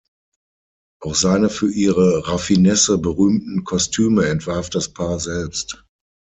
Auch seine für ihre Raffinesse berühmten Kostüme entwarf das Paar selbst.